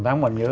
tám còn nhớ